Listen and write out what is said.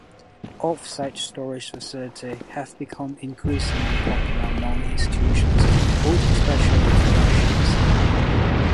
Offsite storage facilities have become increasingly popular among institutions holding special collections.